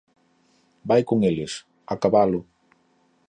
Vai con eles, a cabalo.